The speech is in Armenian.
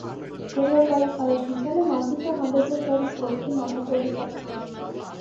Եվրոպայի առաջնությանը մարզիկը հանդես էր գալիս ոտքի մատի կոտրվածքով։